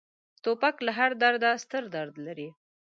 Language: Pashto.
توپک له هر درده ستر درد دی.